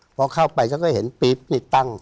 หนักเลยไปพอเข้าไปก็เห็นปี๊บนี้ตั้ง